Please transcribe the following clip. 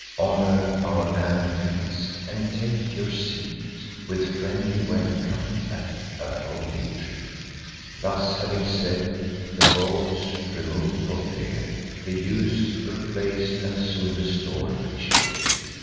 Honour our annual feast; and take your seat, With friendly welcome, at a homely treat." Thus having said, the bowls remov'd (for fear) The youths replac'd, and soon restor'd the cheer.